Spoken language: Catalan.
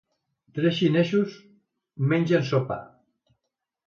tres xinesos mengen sopa.